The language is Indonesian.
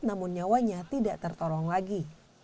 namun nyawanya tidak tertolong lagi